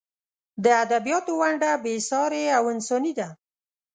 د ادبیاتو ونډه بې سارې او انساني ده.